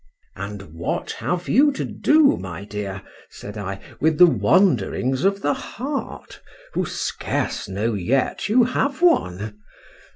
—And what have you to do, my dear, said I, with The Wanderings of the Heart, who scarce know yet you have one?